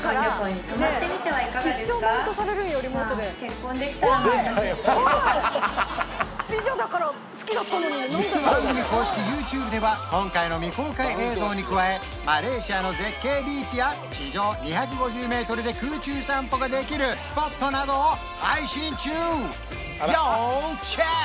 リモートで美女だから好きだったのに何だよ番組公式ＹｏｕＴｕｂｅでは今回の未公開映像に加えマレーシアの絶景ビーチや地上２５０メートルで空中散歩ができるスポットなどを配信中要チェック！